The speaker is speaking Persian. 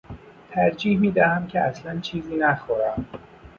ترجیح میدهم که اصلا چیزی نخورم.